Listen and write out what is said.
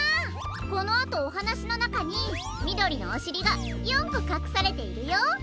このあとおはなしのなかにみどりのおしりが４こかくされているよ。